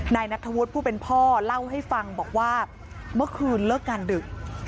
นายนัทธวุฒิผู้เป็นพ่อเล่าให้ฟังบอกว่าเมื่อคืนเลิกงานดึก